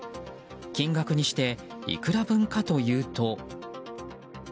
金額にしていくら分かというと。